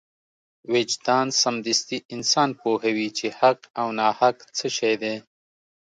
وجدان سمدستي انسان پوهوي چې حق او ناحق څه شی دی.